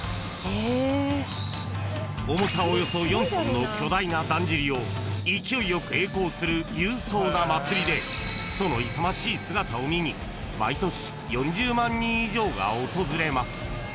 ［の巨大なだんじりを勢いよく曳行する勇壮な祭りでその勇ましい姿を見に毎年４０万人以上が訪れます］